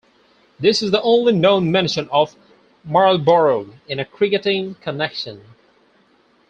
This is the only known mention of Marlborough in a cricketing connection.